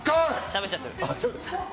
しゃべっちゃってる。